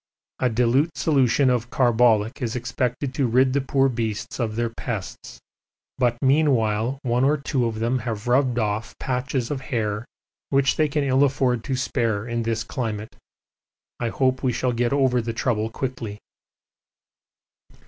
A dilute solution of carbolic is expected to rid the poor beasts of their pests, but meanwhile one or two of them have rubbed off patches of hair which they can ill afford to spare in this climate. I hope we shall get over the trouble quickly.